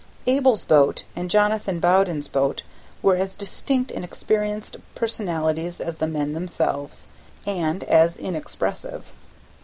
Abel's boat and Jonathan Bowden's boat were as distinct and experienced personalities as the men themselves, and as inexpressive.